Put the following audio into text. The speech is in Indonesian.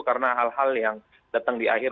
karena hal hal yang datang di akhir